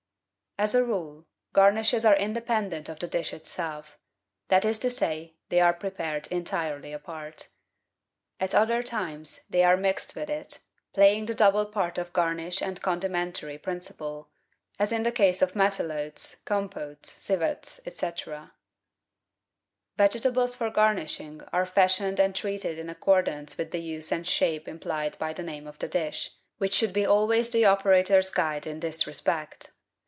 As a rule, garnishes are independent of the dish itself — that is to say, they are prepared entirely apart. At other times they are mixed with it, playing the double part of garnish and condimentary principle, as in the case of Matelotes, Compotes, Civets, &c. Vegetables for garnishing are fashioned and treated in ac cordance with the use and shape implied by the name of the dish, which should always be the operator's guide in this respect.